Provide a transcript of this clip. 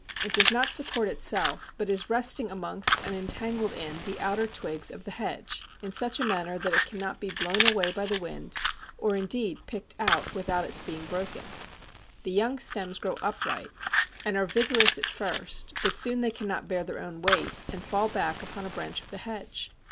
It does not support itself, but is resting amongst and entangled in the outer twigs of the hedge in such a manner that it cannot be blown away by the wind or indeed picked out without its being broken. The young stems grow upright and are vigorous at first, but soon they cannot bear their own weight, and fall back upon a branch of the hedge.